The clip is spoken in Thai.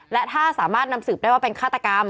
และถ้าสามารถนำสืบได้ว่าเป็นฆาตกรรม